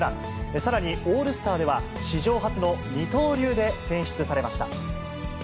さらにオールスターでは、史上初の二刀流で選出されました。